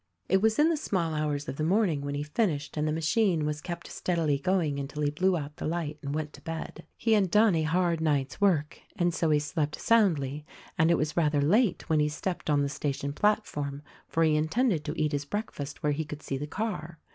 It was in the small hours of the morning when he finished, and the machine was kept steadily going until he blew out the light and went to bed. He had done a hard night's work, and so he slept soundly ; and it was rather late when he stepped on the sta tion platform — for he intended to eat his breakfast where he could see the car.